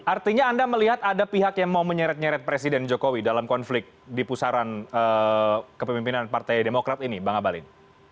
artinya anda melihat ada pihak yang mau menyeret nyeret presiden jokowi dalam konflik di pusaran kepemimpinan partai demokrat ini bang abalin